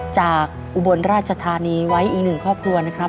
อุบลราชธานีไว้อีกหนึ่งครอบครัวนะครับ